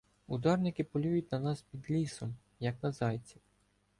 Ударники полюють на нас під лісом, як на зайців.